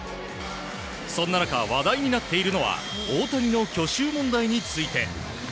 そんな中、話題になっているのは大谷の去就問題について。